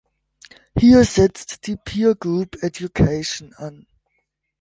Hier setzt die Peer-Group-Education an.